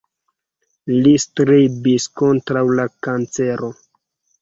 Li strebis kontraŭ la kancero.